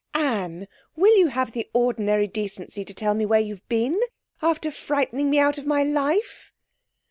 'Anne, will you have the ordinary decency to tell me where you've been, after frightening me out of my life?'